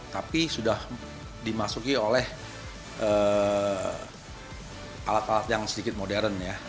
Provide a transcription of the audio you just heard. tapi sudah dimasuki oleh alat alat yang sedikit modern ya